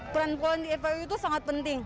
perempuan di fpu itu sangat penting